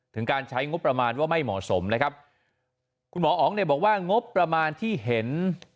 การใช้งบประมาณว่าไม่เหมาะสมนะครับคุณหมออ๋องเนี่ยบอกว่างบประมาณที่เห็น